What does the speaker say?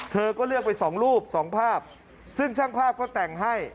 เธอก็เลือกไปสองรูปสองภาพซึ่งช่างภาพก็แต่งให้